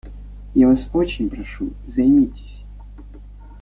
Я Вас очень прошу - займитесь.